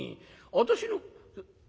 私の。